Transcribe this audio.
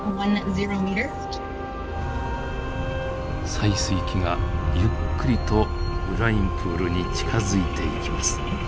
採水器がゆっくりとブラインプールに近づいていきます。